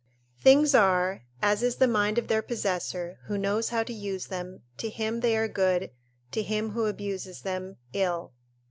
["Things are, as is the mind of their possessor; who knows how to use them, to him they are good; to him who abuses them, ill."